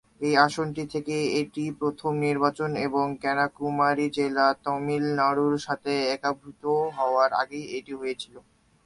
এই আসনটি থেকে এটিই প্রথম নির্বাচন এবং কন্যাকুমারী জেলা তামিলনাড়ুর সাথে একীভূত হওয়ার আগেই এটি হয়েছিল।